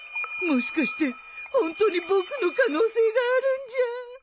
もしかしてホントに僕の可能性があるんじゃ